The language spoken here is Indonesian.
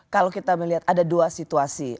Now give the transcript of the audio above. kalau kita melihat ada dua situasi